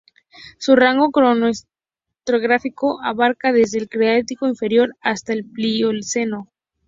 Su rango cronoestratigráfico abarca desde el Cretácico inferior hasta la Plioceno.